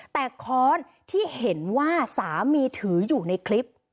แต่ค้อนที่เห็นว่าสามีถืออยู่ในคลิป